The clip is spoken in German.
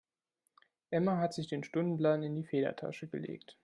Emma hat sich den Stundenplan in die Federtasche gelegt.